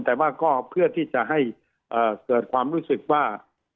แต่ว่าก็เพื่อที่จะให้เกิดความรู้สึกว่า